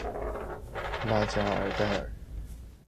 拉加尔代尔。